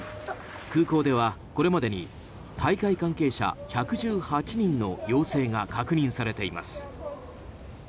空港ではこれまでに大会関係者１１８人の陽性が確認されています。